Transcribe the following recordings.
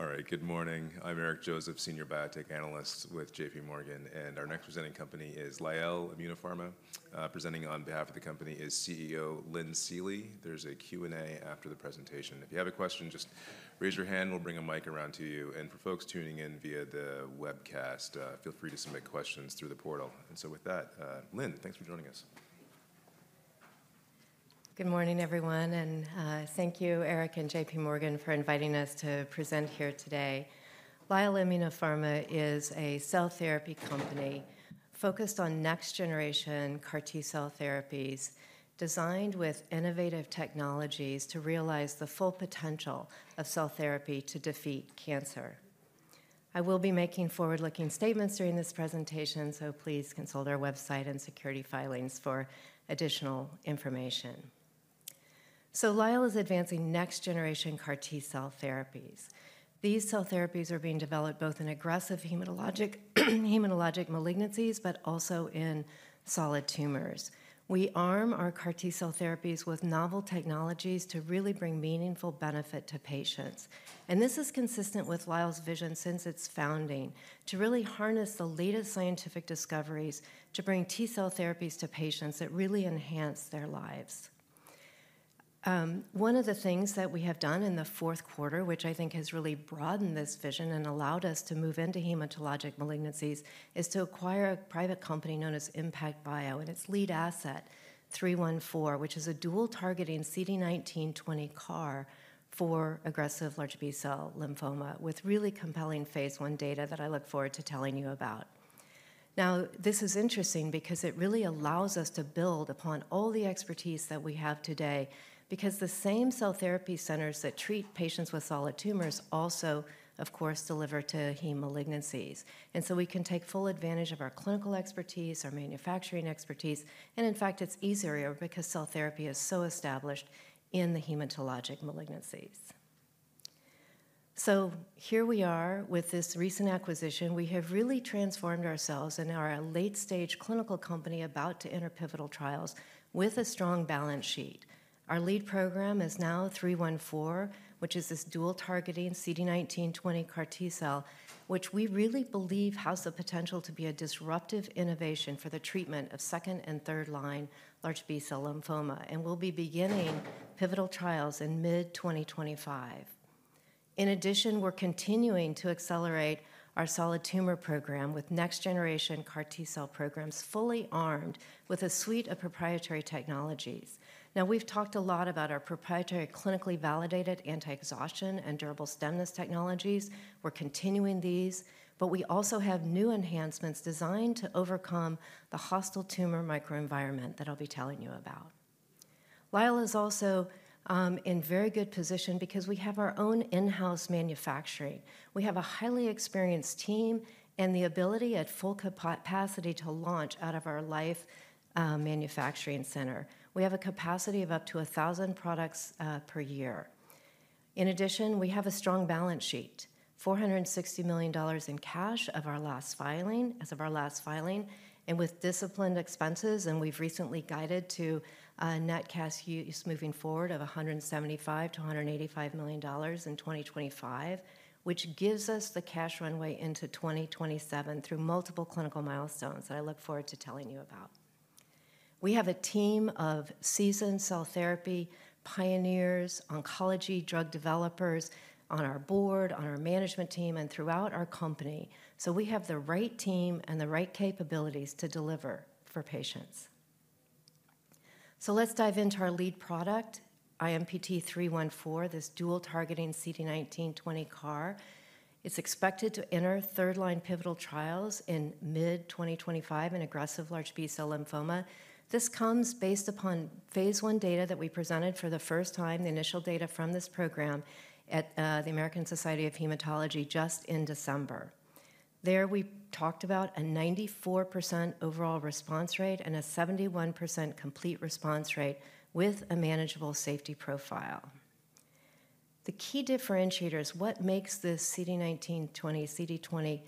All right, good morning. I'm Eric Joseph, Senior Biotech Analyst with J.P. Morgan, and our next presenting company is Lyell Immunopharma. Presenting on behalf of the company is CEO Lynn Seely. There's a Q&A after the presentation. If you have a question, just raise your hand. We'll bring a mic around to you. And for folks tuning in via the webcast, feel free to submit questions through the portal. And so with that, Lynn, thanks for joining us. Good morning, everyone, and thank you, Eric and J.P. Morgan, for inviting us to present here today. Lyell Immunopharma is a cell therapy company focused on next-generation CAR T cell therapies, designed with innovative technologies to realize the full potential of cell therapy to defeat cancer. I will be making forward-looking statements during this presentation, so please consult our website and securities filings for additional information, so Lyell is advancing next-generation CAR T cell therapies. These cell therapies are being developed both in aggressive hematologic malignancies, but also in solid tumors. We arm our CAR T cell therapies with novel technologies to really bring meaningful benefit to patients, and this is consistent with Lyell's vision since its founding, to really harness the latest scientific discoveries to bring T cell therapies to patients that really enhance their lives. One of the things that we have done in the fourth quarter, which I think has really broadened this vision and allowed us to move into hematologic malignancies, is to acquire a private company known as ImmPACT Bio and its lead asset, IMPT-314, which is a dual-targeting CD19/CD20 CAR for aggressive large B-cell lymphoma, with really compelling Phase I data that I look forward to telling you about. Now, this is interesting because it really allows us to build upon all the expertise that we have today, because the same cell therapy centers that treat patients with solid tumors also, of course, deliver to heme malignancies, and so we can take full advantage of our clinical expertise, our manufacturing expertise, and in fact, it's easier because cell therapy is so established in the hematologic malignancies, so here we are with this recent acquisition. We have really transformed ourselves and are a late-stage clinical company about to enter pivotal trials with a strong balance sheet. Our lead program is now 314, which is this dual-targeting CD19/CD20 CAR T cell, which we really believe has the potential to be a disruptive innovation for the treatment of second- and third-line large B-cell lymphoma, and we'll be beginning pivotal trials in mid-2025. In addition, we're continuing to accelerate our solid tumor program with next-generation CAR T cell programs fully armed with a suite of proprietary technologies. Now, we've talked a lot about our proprietary clinically validated anti-exhaustion and durable stemness technologies. We're continuing these, but we also have new enhancements designed to overcome the hostile tumor microenvironment that I'll be telling you about. Lyell is also in very good position because we have our own in-house manufacturing. We have a highly experienced team and the ability at full capacity to launch out of our Lyell manufacturing center. We have a capacity of up to 1,000 products per year. In addition, we have a strong balance sheet, $460 million in cash as of our last filing, and with disciplined expenses, and we've recently guided to net cash use moving forward of $175-$185 million in 2025, which gives us the cash runway into 2027 through multiple clinical milestones that I look forward to telling you about. We have a team of seasoned cell therapy pioneers, oncology drug developers on our board, on our management team, and throughout our company. So we have the right team and the right capabilities to deliver for patients. So let's dive into our lead product, IMPT-314, this dual-targeting CD19/CD20 CAR. It's expected to enter third-line pivotal trials in mid-2025 in aggressive large B-cell lymphoma. This comes based upon phase I data that we presented for the first time, the initial data from this program at the American Society of Hematology just in December. There we talked about a 94% overall response rate and a 71% complete response rate with a manageable safety profile. The key differentiators, what makes this CD19/CD20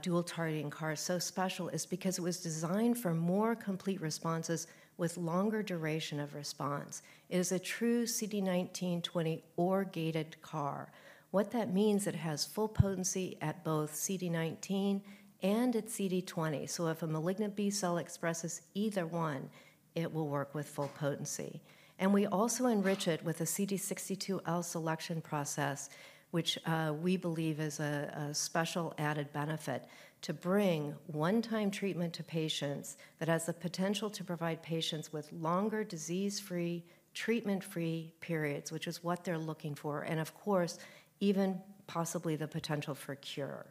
dual-targeting CAR so special is because it was designed for more complete responses with longer duration of response. It is a true CD19/CD20 bispecific CAR. What that means is it has full potency at both CD19 and at CD20. So if a malignant B cell expresses either one, it will work with full potency. And we also enrich it with a CD62L selection process, which we believe is a special added benefit to bring one-time treatment to patients that has the potential to provide patients with longer disease-free, treatment-free periods, which is what they're looking for, and of course, even possibly the potential for cure.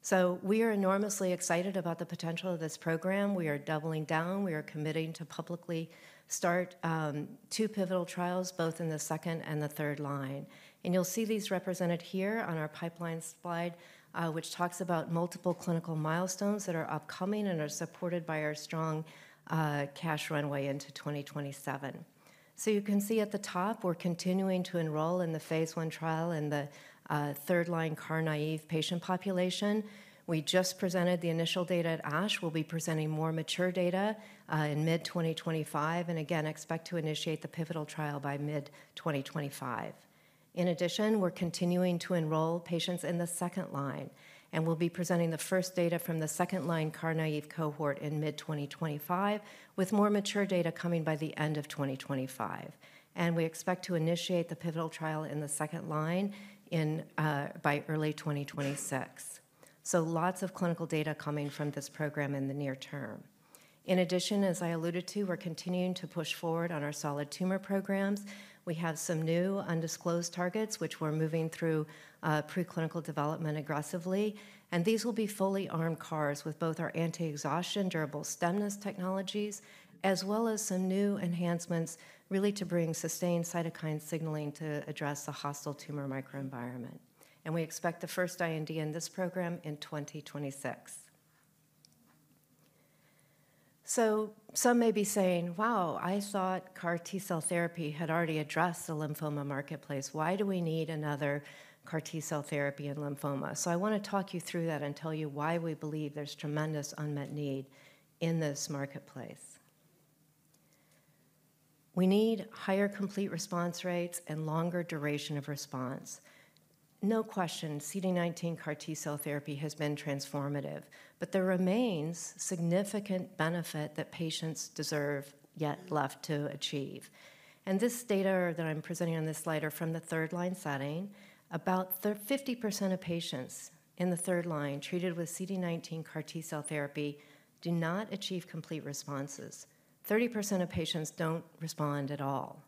So we are enormously excited about the potential of this program. We are doubling down. We are committing to publicly start two pivotal trials, both in the second and the third line. And you'll see these represented here on our pipeline slide, which talks about multiple clinical milestones that are upcoming and are supported by our strong cash runway into 2027. So you can see at the top, we're continuing to enroll in the phase I trial in the third-line CAR naive patient population. We just presented the initial data at ASH. We'll be presenting more mature data in mid-2025, and again, expect to initiate the pivotal trial by mid-2025. In addition, we're continuing to enroll patients in the second line, and we'll be presenting the first data from the second-line CAR naive cohort in mid-2025, with more mature data coming by the end of 2025. And we expect to initiate the pivotal trial in the second line by early 2026. So lots of clinical data coming from this program in the near term. In addition, as I alluded to, we're continuing to push forward on our solid tumor programs. We have some new undisclosed targets, which we're moving through preclinical development aggressively. And these will be fully armed CARs with both our anti-exhaustion, durable stemness technologies, as well as some new enhancements really to bring sustained cytokine signaling to address the hostile tumor microenvironment. And we expect the first IND in this program in 2026. So some may be saying, "Wow, I thought CAR T cell therapy had already addressed the lymphoma marketplace. Why do we need another CAR T cell therapy in lymphoma?" So I want to talk you through that and tell you why we believe there's tremendous unmet need in this marketplace. We need higher complete response rates and longer duration of response. No question, CD19 CAR T cell therapy has been transformative, but there remains significant benefit that patients deserve yet left to achieve. And this data that I'm presenting on this slide are from the third-line setting. About 50% of patients in the third line treated with CD19 CAR T cell therapy do not achieve complete responses. 30% of patients don't respond at all.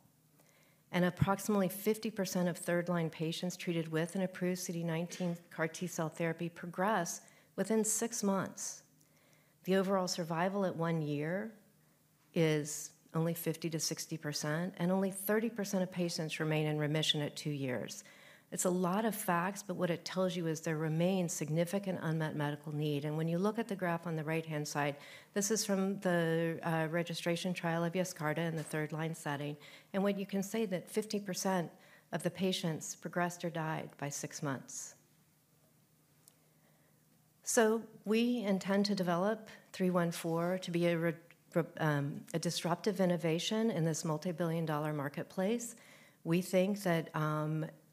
Approximately 50% of third-line patients treated with an approved CD19 CAR T cell therapy progress within six months. The overall survival at one year is only 50%-60%, and only 30% of patients remain in remission at two years. It's a lot of facts, but what it tells you is there remains significant unmet medical need. When you look at the graph on the right-hand side, this is from the registration trial of Yescarta in the third-line setting. When you can say that 50% of the patients progressed or died by six months. We intend to develop 314 to be a disruptive innovation in this multi-billion-dollar marketplace. We think that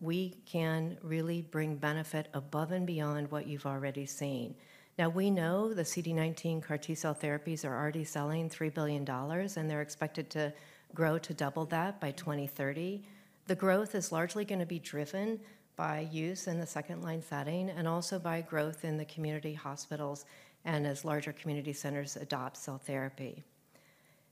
we can really bring benefit above and beyond what you've already seen. Now, we know the CD19 CAR T cell therapies are already selling $3 billion, and they're expected to grow to double that by 2030. The growth is largely going to be driven by use in the second-line setting and also by growth in the community hospitals and as larger community centers adopt cell therapy.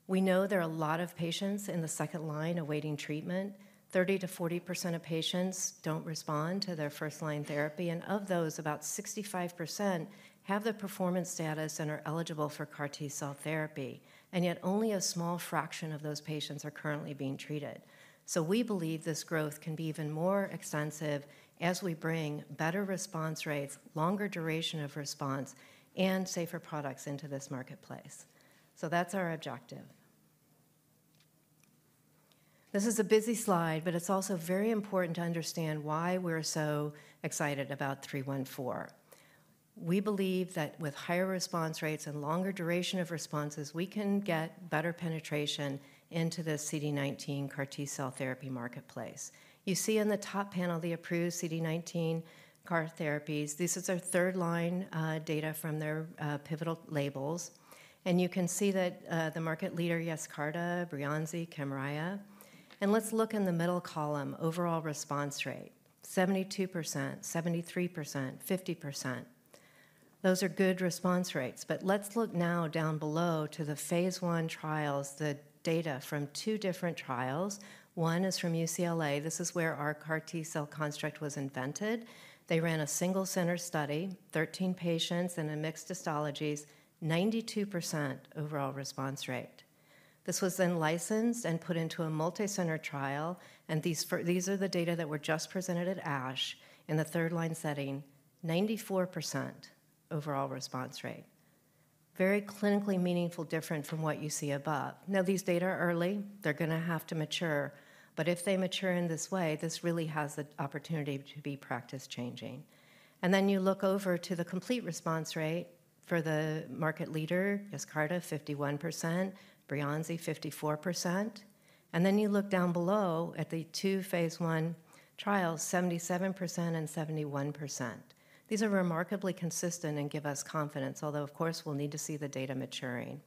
We know there are a lot of patients in the second line awaiting treatment. 30%-40% of patients don't respond to their first-line therapy, and of those, about 65% have the performance status and are eligible for CAR T cell therapy, and yet only a small fraction of those patients are currently being treated, so we believe this growth can be even more extensive as we bring better response rates, longer duration of response, and safer products into this marketplace, so that's our objective. This is a busy slide, but it's also very important to understand why we're so excited about 314. We believe that with higher response rates and longer duration of responses, we can get better penetration into the CD19 CAR T cell therapy marketplace. You see in the top panel the approved CD19 CAR therapies. This is our third-line data from their pivotal labels, and you can see that the market leader, Yescarta, Breyanzi, Kymriah. And let's look in the middle column, overall response rate, 72%, 73%, 50%. Those are good response rates, but let's look now down below to the phase I trials, the data from two different trials. One is from UCLA. This is where our CAR T cell construct was invented. They ran a single-center study, 13 patients and a mixed histologies, 92% overall response rate. This was then licensed and put into a multi-center trial. These are the data that were just presented at ASH in the third-line setting, 94% overall response rate. Very clinically meaningful difference from what you see above. Now, these data are early. They're going to have to mature. But if they mature in this way, this really has the opportunity to be practice-changing. And then you look over to the complete response rate for the market leader, Yescarta, 51%, Breyanzi, 54%. And then you look down below at the two Phase I trials, 77% and 71%. These are remarkably consistent and give us confidence, although, of course, we'll need to see the data maturing.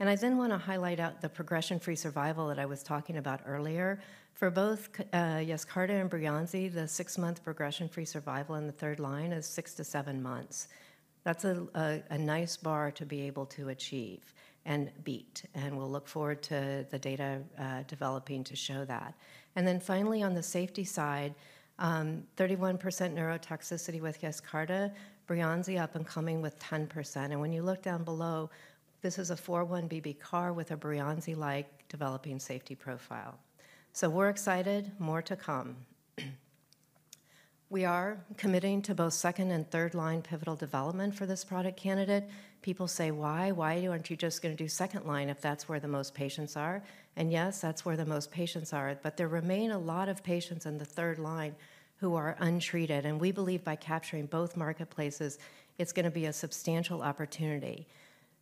And I then want to highlight out the progression-free survival that I was talking about earlier. For both Yescarta and Breyanzi, the six-month progression-free survival in the third line is 6-7 months. That's a nice bar to be able to achieve and beat. We'll look forward to the data developing to show that. Then finally, on the safety side, 31% neurotoxicity with Yescarta, Breyanzi up and coming with 10%. And when you look down below, this is a 4-1BB CAR with a Breyanzi-like developing safety profile. So we're excited, more to come. We are committing to both second and third-line pivotal development for this product candidate. People say, "Why? Why aren't you just going to do second line if that's where the most patients are?" And yes, that's where the most patients are. But there remain a lot of patients in the third line who are untreated. And we believe by capturing both marketplaces, it's going to be a substantial opportunity.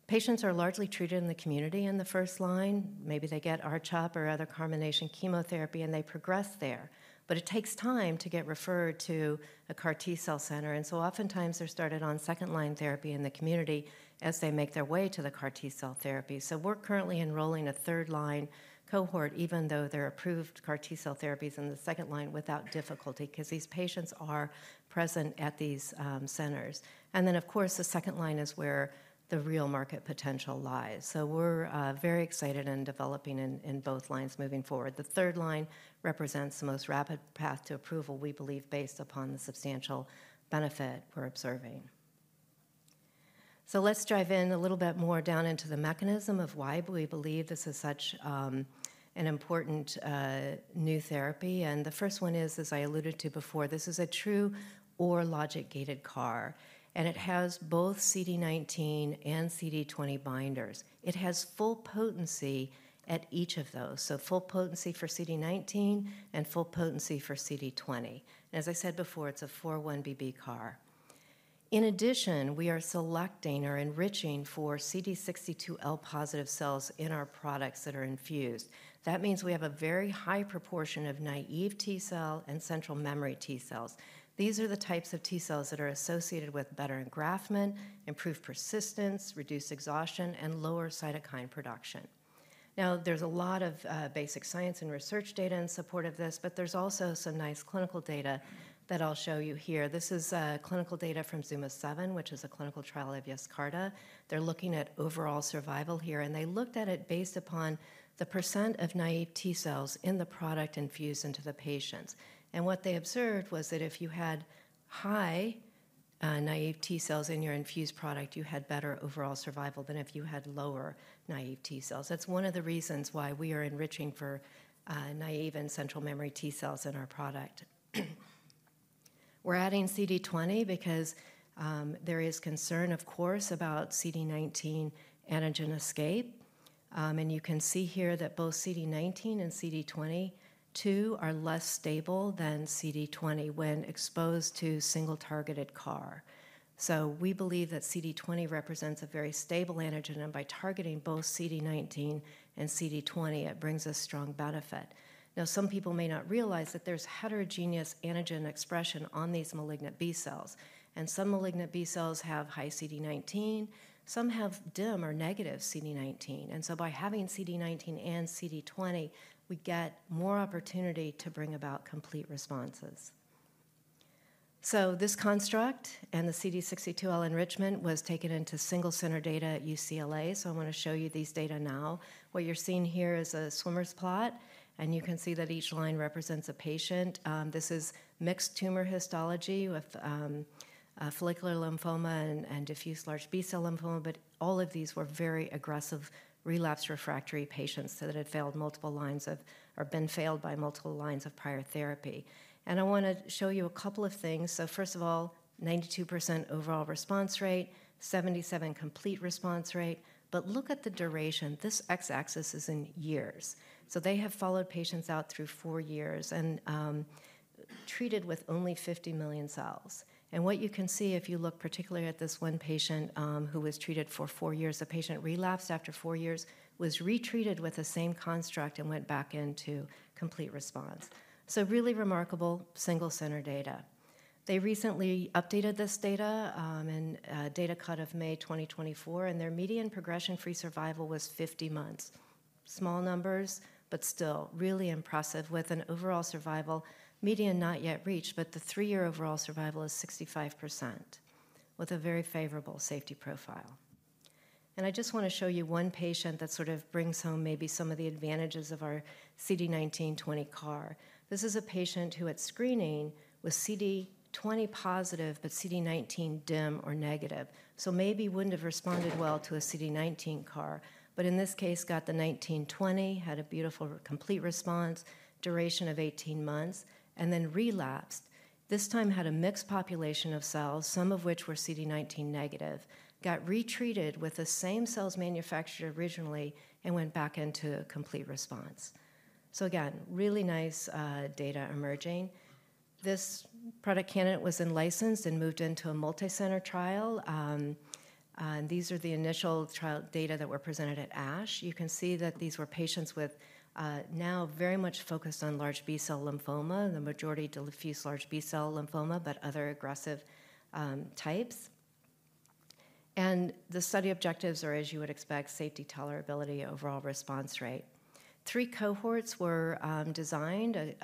Patients are largely treated in the community in the first line. Maybe they get R-CHOP or other combination chemotherapy, and they progress there. But it takes time to get referred to a CAR T cell center. And so oftentimes, they're started on second-line therapy in the community as they make their way to the CAR T cell therapy. So we're currently enrolling a third-line cohort, even though there are approved CAR T cell therapies in the second line without difficulty because these patients are present at these centers. And then, of course, the second line is where the real market potential lies. So we're very excited and developing in both lines moving forward. The third line represents the most rapid path to approval, we believe, based upon the substantial benefit we're observing. So let's dive in a little bit more down into the mechanism of why we believe this is such an important new therapy. And the first one is, as I alluded to before, this is a true OR-logic-gated CAR. It has both CD19 and CD20 binders. It has full potency at each of those. Full potency for CD19 and full potency for CD20. As I said before, it's a 4-1BB CAR. In addition, we are selecting or enriching for CD62L-positive cells in our products that are infused. That means we have a very high proportion of naive T cells and central memory T cells. These are the types of T cells that are associated with better engraftment, improved persistence, reduced exhaustion, and lower cytokine production. Now, there's a lot of basic science and research data in support of this, but there's also some nice clinical data that I'll show you here. This is clinical data from Zuma-7, which is a clinical trial of Yescarta. They're looking at overall survival here. They looked at it based upon the percent of Naive T cells in the product infused into the patients. And what they observed was that if you had high Naive T cells in your infused product, you had better overall survival than if you had lower Naive T cells. That's one of the reasons why we are enriching for Naive and central memory T cells in our product. We're adding CD20 because there is concern, of course, about CD19 antigen escape. And you can see here that both CD19 and CD22, too, are less stable than CD20 when exposed to single-targeted CAR. So we believe that CD20 represents a very stable antigen. And by targeting both CD19 and CD20, it brings a strong benefit. Now, some people may not realize that there's heterogeneous antigen expression on these malignant B cells. And some malignant B cells have high CD19. Some have dim or negative CD19. And so by having CD19 and CD20, we get more opportunity to bring about complete responses. So this construct and the CD62L enrichment was taken into single-center data at UCLA. So I want to show you these data now. What you're seeing here is a swimmer's plot. And you can see that each line represents a patient. This is mixed tumor histology with follicular lymphoma and diffuse large B-cell lymphoma. But all of these were very aggressive relapsed refractory patients that had failed multiple lines of or been failed by multiple lines of prior therapy. And I want to show you a couple of things. So first of all, 92% overall response rate, 77% complete response rate. But look at the duration. This x-axis is in years. So they have followed patients out through four years and treated with only 50 million cells. And what you can see if you look particularly at this one patient who was treated for four years, the patient relapsed after four years, was retreated with the same construct and went back into complete response. So really remarkable single-center data. They recently updated this data in data cut of May 2024. And their median progression-free survival was 50 months. Small numbers, but still really impressive with an overall survival median not yet reached, but the three-year overall survival is 65% with a very favorable safety profile. And I just want to show you one patient that sort of brings home maybe some of the advantages of our CD19-20 CAR. This is a patient who at screening was CD20 positive, but CD19 dim or negative. So maybe wouldn't have responded well to a CD19 CAR. But in this case, got the CD19-20, had a beautiful complete response, duration of 18 months, and then relapsed. This time had a mixed population of cells, some of which were CD19 negative, got retreated with the same cells manufactured originally, and went back into complete response. So again, really nice data emerging. This product candidate was then licensed and moved into a multi-center trial. And these are the initial trial data that were presented at ASH. You can see that these were patients with now very much focused on large B-cell lymphoma, the majority diffuse large B-cell lymphoma, but other aggressive types. And the study objectives are, as you would expect, safety, tolerability, overall response rate. Three cohorts were designed,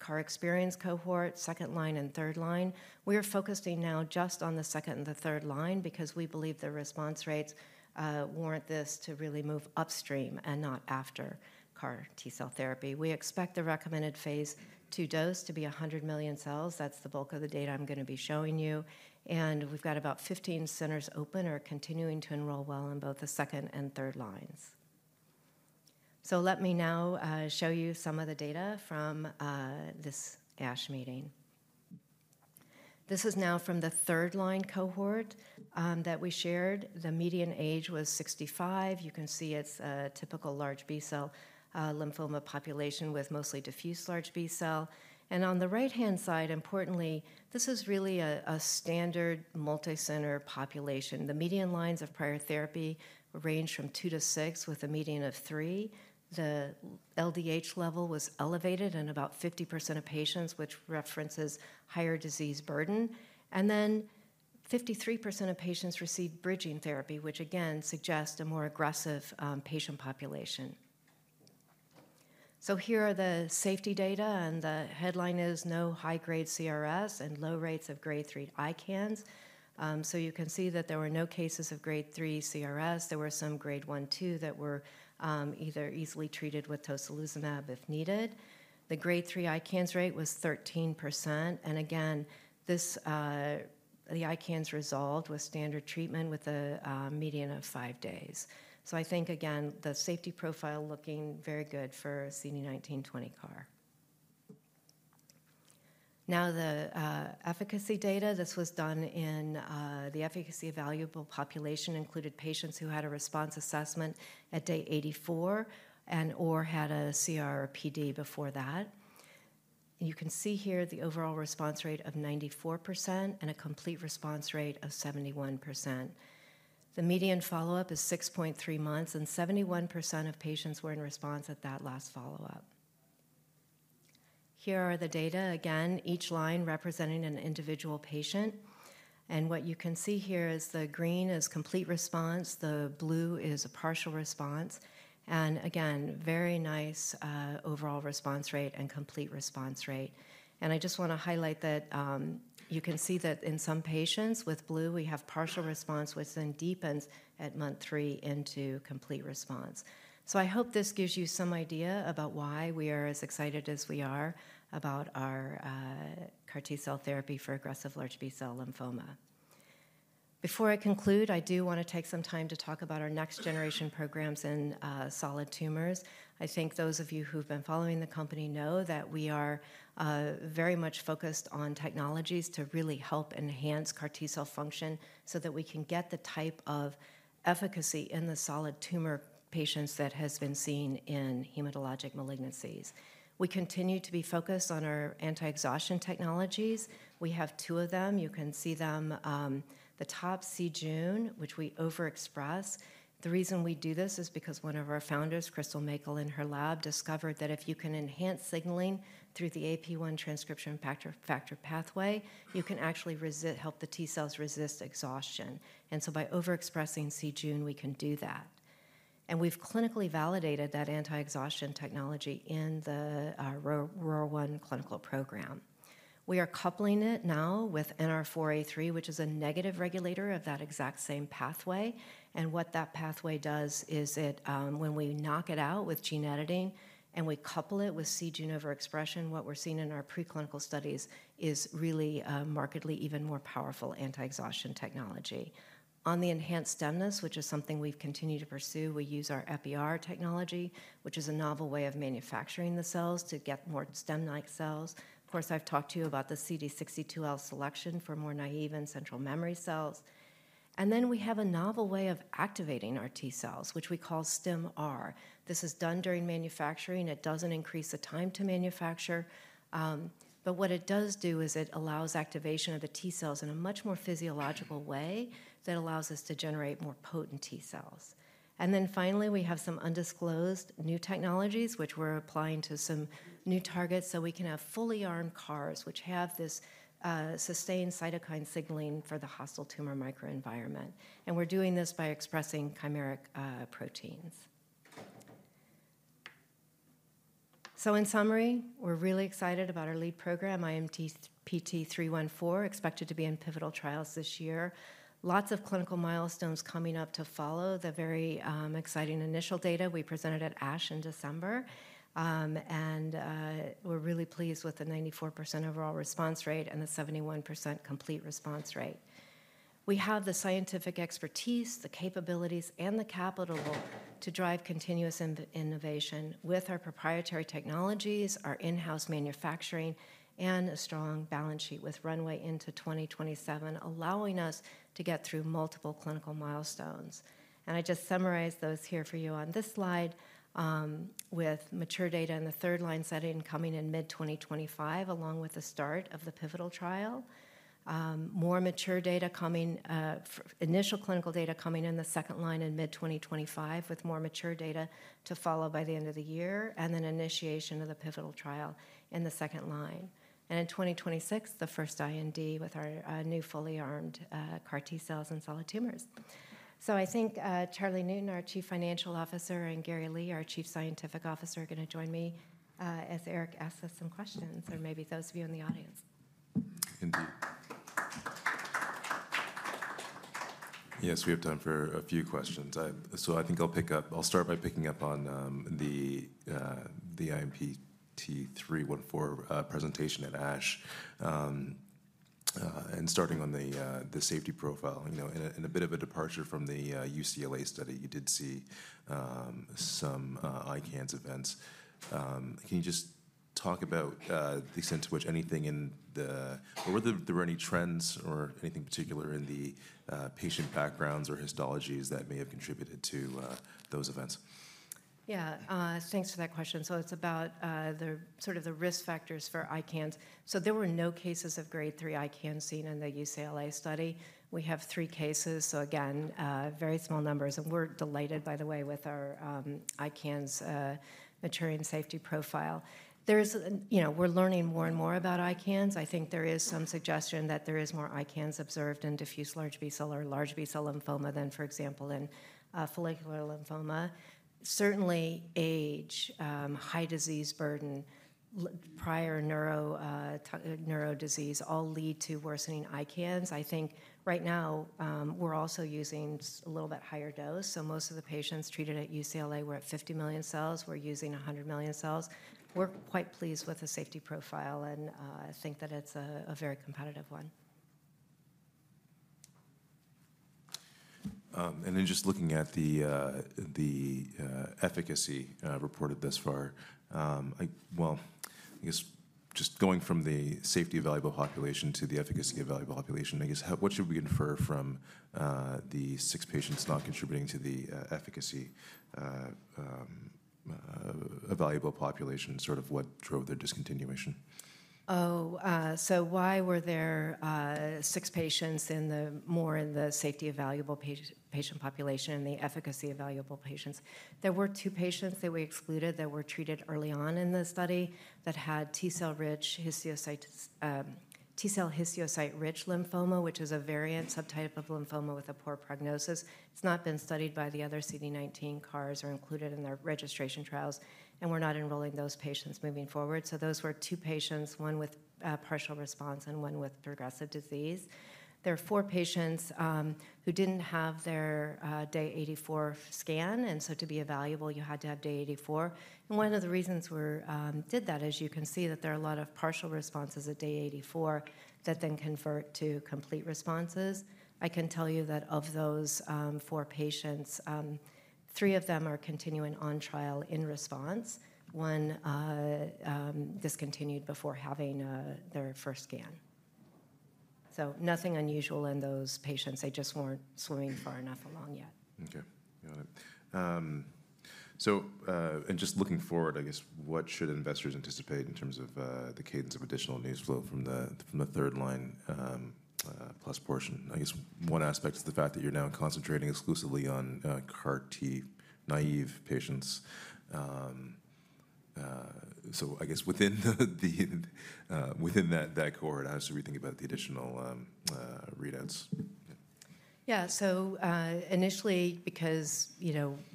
CAR experience cohort, second line and third line. We are focusing now just on the second and the third line because we believe the response rates warrant this to really move upstream and not after CAR T-cell therapy. We expect the recommended phase two dose to be 100 million cells. That's the bulk of the data I'm going to be showing you. And we've got about 15 centers open or continuing to enroll well in both the second and third lines. So let me now show you some of the data from this ASH meeting. This is now from the third line cohort that we shared. The median age was 65. You can see it's a typical large B-cell lymphoma population with mostly diffuse large B-cell. And on the right-hand side, importantly, this is really a standard multi-center population. The median lines of prior therapy range from two to six with a median of three. The LDH level was elevated in about 50% of patients, which references higher disease burden. And then 53% of patients received bridging therapy, which again suggests a more aggressive patient population. So here are the safety data. And the headline is no high-grade CRS and low rates of grade 3 ICANS. So you can see that there were no cases of grade 3 CRS. There were some grade 1, 2 that were either easily treated with tocilizumab if needed. The grade 3 ICANS rate was 13%. And again, the ICANS resolved with standard treatment with a median of five days. So I think, again, the safety profile looking very good for CD19/CD20 CAR. Now, the efficacy data, this was done in the efficacy evaluable population included patients who had a response assessment at day 84 and/or had a CRPD before that. You can see here the overall response rate of 94% and a complete response rate of 71%. The median follow-up is 6.3 months, and 71% of patients were in response at that last follow-up. Here are the data. Again, each line representing an individual patient, and what you can see here is the green is complete response. The blue is a partial response, and again, very nice overall response rate and complete response rate. And I just want to highlight that you can see that in some patients with blue, we have partial response, which then deepens at month three into complete response, so I hope this gives you some idea about why we are as excited as we are about our CAR T cell therapy for aggressive large B-cell lymphoma. Before I conclude, I do want to take some time to talk about our next generation programs in solid tumors. I think those of you who've been following the company know that we are very much focused on technologies to really help enhance CAR T-cell function so that we can get the type of efficacy in the solid tumor patients that has been seen in hematologic malignancies. We continue to be focused on our anti-exhaustion technologies. We have two of them. You can see them, the top, c-Jun, which we overexpress. The reason we do this is because one of our founders, Crystal Mackall in her lab, discovered that if you can enhance signaling through the AP-1 transcription factor pathway, you can actually help the T cells resist exhaustion. And so by overexpressing c-Jun, we can do that. We've clinically validated that anti-exhaustion technology in the ROR1 clinical program. We are coupling it now with NR4A3, which is a negative regulator of that exact same pathway. What that pathway does is when we knock it out with gene editing and we couple it with c-Jun overexpression, what we're seeing in our preclinical studies is really markedly even more powerful anti-exhaustion technology. On the enhanced stemness, which is something we've continued to pursue, we use our Ep-R technology, which is a novel way of manufacturing the cells to get more stem-like cells. Of course, I've talked to you about the CD62L selection for more naive and central memory cells. We have a novel way of activating our T cells, which we call Stim-R. This is done during manufacturing. It doesn't increase the time to manufacture. But what it does do is it allows activation of the T cells in a much more physiological way that allows us to generate more potent T cells. And then finally, we have some undisclosed new technologies, which we're applying to some new targets so we can have fully armed CARs, which have this sustained cytokine signaling for the hostile tumor microenvironment. And we're doing this by expressing chimeric proteins. So in summary, we're really excited about our lead program, IMPT-314, expected to be in pivotal trials this year. Lots of clinical milestones coming up to follow the very exciting initial data we presented at ASH in December. And we're really pleased with the 94% overall response rate and the 71% complete response rate. We have the scientific expertise, the capabilities, and the capital to drive continuous innovation with our proprietary technologies, our in-house manufacturing, and a strong balance sheet with runway into 2027, allowing us to get through multiple clinical milestones. And I just summarized those here for you on this slide with mature data in the third line setting coming in mid-2025, along with the start of the pivotal trial. More mature data coming, initial clinical data coming in the second line in mid-2025, with more mature data to follow by the end of the year, and then initiation of the pivotal trial in the second line. And in 2026, the first IND with our new fully armed CAR T cells and solid tumors. So I think Charlie Newton, our Chief Financial Officer, and Gary Lee, our Chief Scientific Officer, are going to join me as Eric asks us some questions, or maybe those of you in the audience. Indeed. Yes, we have time for a few questions. So I think I'll pick up. I'll start by picking up on the IMPT-314 presentation at ASH and starting on the safety profile, in a bit of a departure from the UCLA study, you did see some ICANS events. Can you just talk about the extent to which anything, or were there any trends or anything particular in the patient backgrounds or histologies that may have contributed to those events? Yeah, thanks for that question. So it's about sort of the risk factors for ICANS. So there were no cases of grade 3 ICANS seen in the UCLA study. We have three cases. So again, very small numbers, and we're delighted, by the way, with our ICANS maturing safety profile. We're learning more and more about ICANS. I think there is some suggestion that there is more ICANS observed in diffuse large B-cell or large B-cell lymphoma than, for example, in follicular lymphoma. Certainly, age, high disease burden, prior neuro disease all lead to worsening ICANS. I think right now we're also using a little bit higher dose, so most of the patients treated at UCLA were at 50 million cells. We're using 100 million cells. We're quite pleased with the safety profile and think that it's a very competitive one. And then just looking at the efficacy reported thus far. Well, I guess just going from the safety evaluable population to the efficacy evaluable population, I guess what should we infer from the six patients not contributing to the efficacy evaluable population? Sort of what drove their discontinuation? Oh, so why were there six patients more in the safety evaluable patient population and the efficacy evaluable patients? There were two patients that we excluded that were treated early on in the study that had T-cell/histiocyte-rich lymphoma, which is a variant subtype of lymphoma with a poor prognosis. It's not been studied by the other CD19 CARs or included in their registration trials. And we're not enrolling those patients moving forward. So those were two patients, one with partial response and one with progressive disease. There are four patients who didn't have their day 84 scan. And so to be evaluable, you had to have day 84. And one of the reasons we did that is you can see that there are a lot of partial responses at day 84 that then convert to complete responses. I can tell you that of those four patients, three of them are continuing on trial in response. One discontinued before having their first scan. So nothing unusual in those patients. They just weren't far enough along yet. Okay. Got it. And just looking forward, I guess, what should investors anticipate in terms of the cadence of additional news flow from the third-line plus portion? I guess one aspect is the fact that you're now concentrating exclusively on CAR T naive patients. So I guess within that cohort, how should we think about the additional readouts? Yeah. So initially, because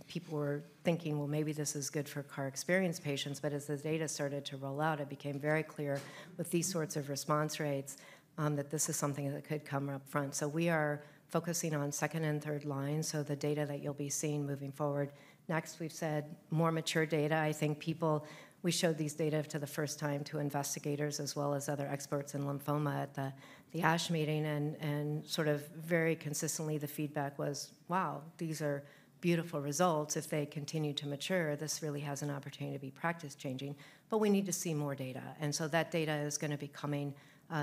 people were thinking, well, maybe this is good for CAR-experienced patients, but as the data started to roll out, it became very clear with these sorts of response rates that this is something that could come up front. So we are focusing on second- and third-line. So the data that you'll be seeing moving forward. Next, we've said more mature data. I think people, we showed these data for the first time to investigators as well as other experts in lymphoma at the ASH meeting. And sort of very consistently, the feedback was, wow, these are beautiful results. If they continue to mature, this really has an opportunity to be practice-changing. But we need to see more data. And so that data is going to be coming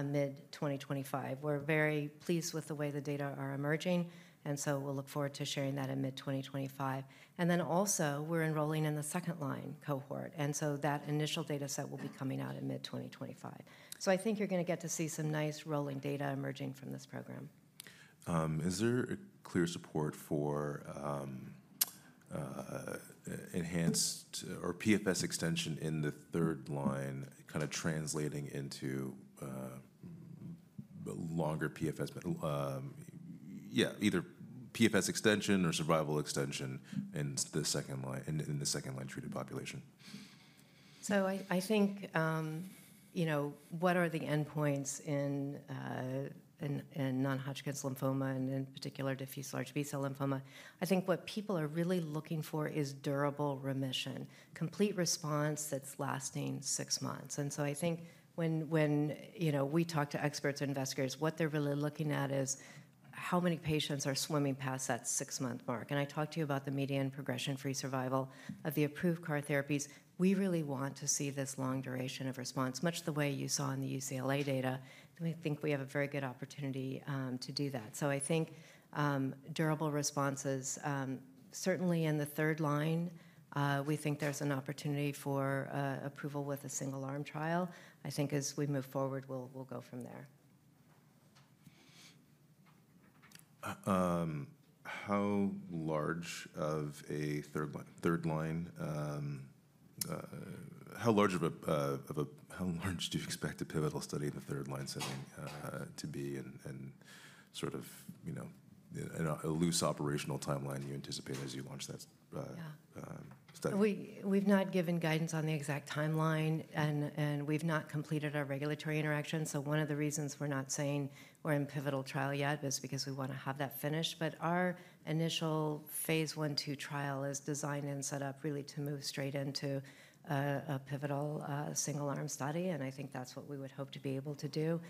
mid-2025. We're very pleased with the way the data are emerging. And so we'll look forward to sharing that in mid-2025. And then also, we're enrolling in the second line cohort. And so that initial data set will be coming out in mid-2025. So I think you're going to get to see some nice rolling data emerging from this program. Is there clear support for enhanced or PFS extension in the third line, kind of translating into longer PFS, yeah, either PFS extension or survival extension in the second line treated population? So I think what are the endpoints in non-Hodgkin lymphoma and in particular diffuse large B-cell lymphoma? I think what people are really looking for is durable remission, complete response that's lasting six months. And so I think when we talk to experts or investigators, what they're really looking at is how many patients are swimming past that six-month mark. I talked to you about the median progression-free survival of the approved CAR therapies. We really want to see this long duration of response, much the way you saw in the UCLA data. We think we have a very good opportunity to do that. I think durable responses, certainly in the third line, we think there's an opportunity for approval with a single arm trial. I think as we move forward, we'll go from there. How large of a third line? How large do you expect a pivotal study in the third line setting to be and sort of a loose operational timeline you anticipate as you launch that study? We've not given guidance on the exact timeline, and we've not completed our regulatory interaction. One of the reasons we're not saying we're in a pivotal trial yet is because we want to have that finished. But our initial phase 1/2 trial is designed and set up really to move straight into a pivotal single-arm study. I think that's what we would hope to be able to do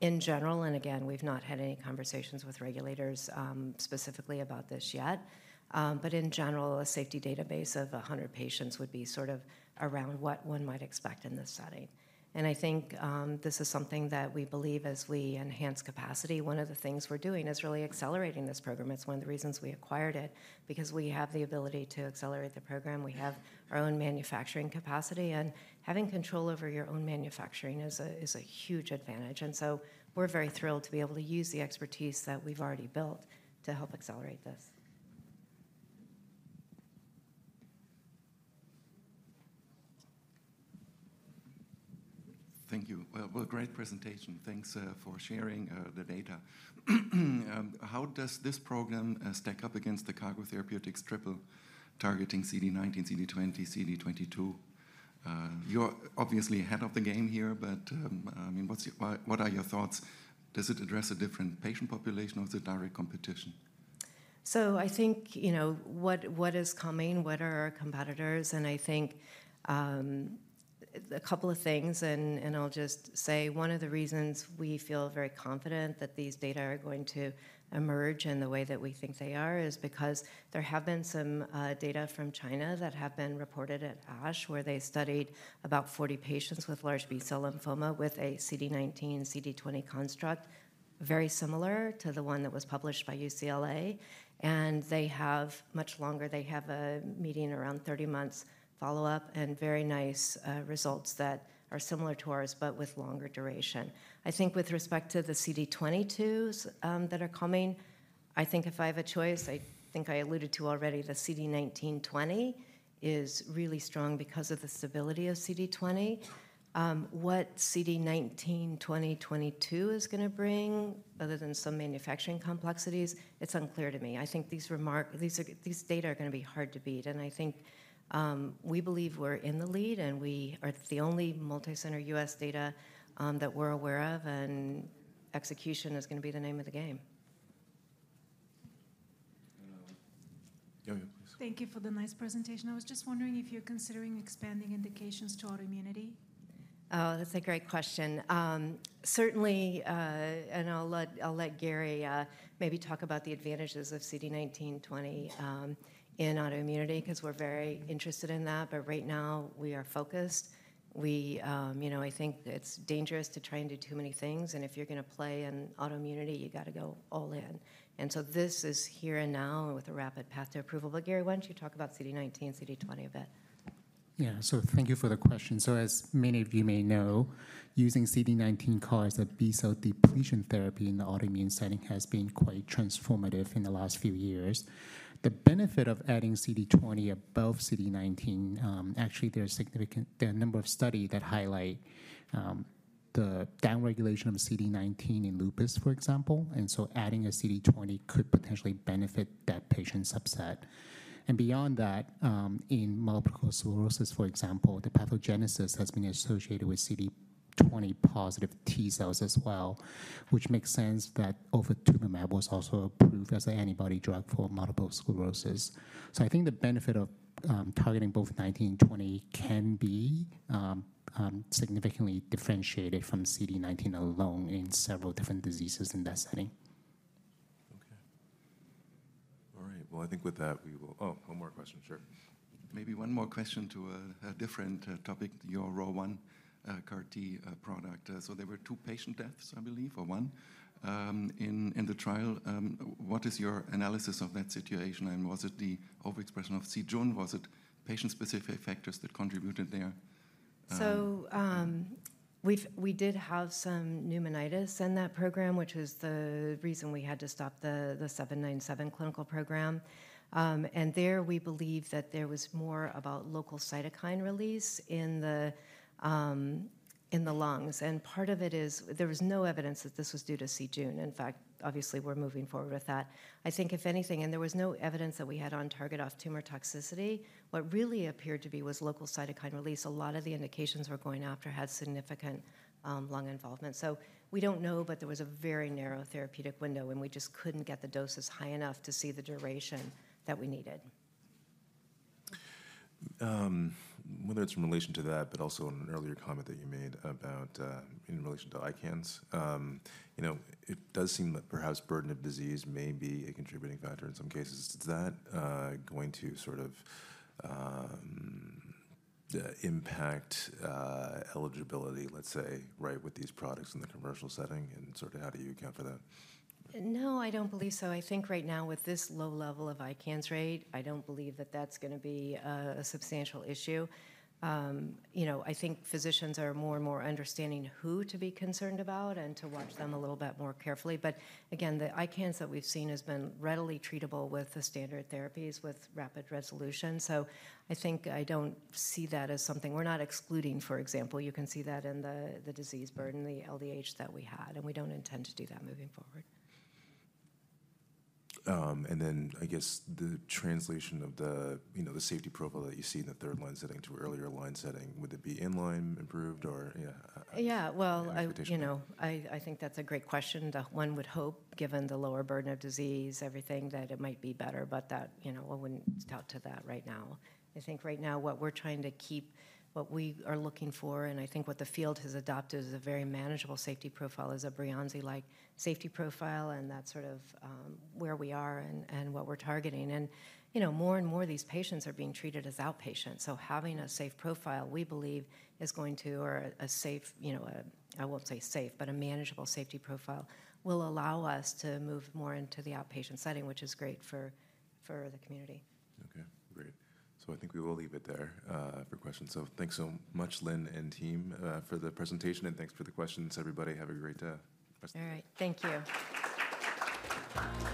in general. Again, we've not had any conversations with regulators specifically about this yet. In general, a safety database of 100 patients would be sort of around what one might expect in this study. I think this is something that we believe as we enhance capacity. One of the things we're doing is really accelerating this program. It's one of the reasons we acquired it, because we have the ability to accelerate the program. We have our own manufacturing capacity. Having control over your own manufacturing is a huge advantage. And so we're very thrilled to be able to use the expertise that we've already built to help accelerate this. Thank you. Well, great presentation. Thanks for sharing the data. How does this program stack up against the Cargo Therapeutics triple targeting CD19, CD20, CD22? You're obviously ahead of the game here, but I mean, what are your thoughts? Does it address a different patient population or is it direct competition? So I think what is coming, what are our competitors? And I think a couple of things. I'll just say one of the reasons we feel very confident that these data are going to emerge in the way that we think they are is because there have been some data from China that have been reported at ASH where they studied about 40 patients with large B-cell lymphoma with a CD19, CD20 construct, very similar to the one that was published by UCLA. They have much longer. They have a median around 30 months follow-up and very nice results that are similar to ours, but with longer duration. I think with respect to the CD22s that are coming, I think if I have a choice, I think I alluded to already the CD19/20 is really strong because of the stability of CD20. What CD19/20/22 is going to bring, other than some manufacturing complexities, it's unclear to me. I think these data are going to be hard to beat. And I think we believe we're in the lead and we are the only multicenter U.S. data that we're aware of. And execution is going to be the name of the game. Thank you for the nice presentation. I was just wondering if you're considering expanding indications to autoimmunity. Oh, that's a great question. Certainly, and I'll let Gary maybe talk about the advantages of CD19/CD20 in autoimmunity because we're very interested in that. But right now, we are focused. I think it's dangerous to try and do too many things. And if you're going to play in autoimmunity, you got to go all in. And so this is here and now with a rapid path to approval. But Gary, why don't you talk about CD19/CD20 a bit? Yeah, so thank you for the question. So as many of you may know, using CD19 CARs as B cell depletion therapy in the autoimmune setting has been quite transformative in the last few years. The benefit of adding CD20 above CD19, actually, there are a number of studies that highlight the downregulation of CD19 in lupus, for example. And so adding a CD20 could potentially benefit that patient subset. And beyond that, in multiple sclerosis, for example, the pathogenesis has been associated with CD20 positive B cells as well, which makes sense that Ofatumumab was also approved as an antibody drug for multiple sclerosis. So I think the benefit of targeting both 19 and 20 can be significantly differentiated from CD19 alone in several different diseases in that setting. Okay. All right. Well, I think with that, we will, one more question. Sure. Maybe one more question to a different topic. Your ROR1 CAR T product. There were two patient deaths, I believe, or one in the trial. What is your analysis of that situation? And was it the overexpression of c-Jun? Was it patient-specific factors that contributed there? We did have some pneumonitis in that program, which was the reason we had to stop the 797 clinical program. There, we believe that there was more about local cytokine release in the lungs. Part of it is there was no evidence that this was due to c-Jun. In fact, obviously, we're moving forward with that. I think if anything, there was no evidence that we had on-target off-tumor toxicity. What really appeared to be was local cytokine release. A lot of the indications we're going after had significant lung involvement. So we don't know, but there was a very narrow therapeutic window and we just couldn't get the doses high enough to see the duration that we needed. Whether it's in relation to that, but also in an earlier comment that you made about in relation to ICANS, it does seem that perhaps burden of disease may be a contributing factor in some cases. Is that going to sort of impact eligibility, let's say, right with these products in the commercial setting? And sort of how do you account for that? No, I don't believe so. I think right now, with this low level of ICANS rate, I don't believe that that's going to be a substantial issue. I think physicians are more and more understanding who to be concerned about and to watch them a little bit more carefully. But again, the ICANS that we've seen have been readily treatable with the standard therapies with rapid resolution. So I think I don't see that as something we're not excluding. For example, you can see that in the disease burden, the LDH that we had. And we don't intend to do that moving forward. And then I guess the translation of the safety profile that you see in the third line setting to earlier line setting, would it be inline improved or yeah, well, I think that's a great question. One would hope, given the lower burden of disease, everything that it might be better, but we wouldn't tout to that right now. I think right now, what we're trying to keep, what we are looking for, and I think what the field has adopted is a very manageable safety profile as a Breyanzi-like safety profile. That's sort of where we are and what we're targeting. More and more of these patients are being treated as outpatient. So having a safe profile, we believe, is going to or a safe, I won't say safe, but a manageable safety profile will allow us to move more into the outpatient setting, which is great for the community. Okay. Great. So I think we will leave it there for questions. So thanks so much, Lynn and team, for the presentation. And thanks for the questions, everybody. Have a great rest of your day. All right. Thank you.